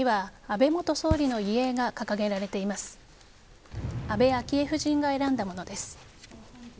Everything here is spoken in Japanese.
安倍昭恵夫人が選んだものです。